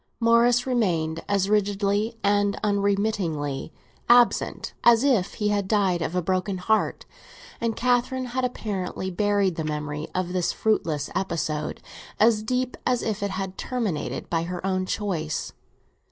Morris remained as rigidly and unremittingly absent as if he had died of a broken heart, and Catherine had apparently buried the memory of this fruitless episode as deep as if it had terminated by her own choice.